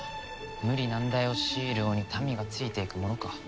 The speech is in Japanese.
無理難題を強いる王に民がついていくものか。